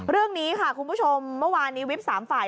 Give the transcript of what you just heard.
เรื่องนี้ค่ะคุณผู้ชมเมื่อวานนี้วิป๓ฝ่าย